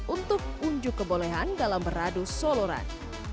untuk unjuk kebolehan dalam beradu solo run